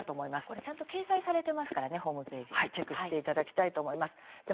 これちゃんと掲載されてますからねチェックしていただきたいと思います。